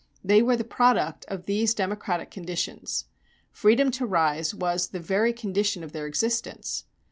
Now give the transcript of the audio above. They were the product of these democratic conditions. Freedom to rise was the very condition of their existence.